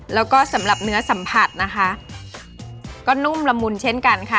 แล้วก็สำหรับเนื้อสัมผัสนะคะก็นุ่มละมุนเช่นกันค่ะ